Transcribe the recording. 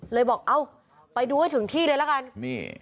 บอกเอ้าไปดูให้ถึงที่เลยละกันนี่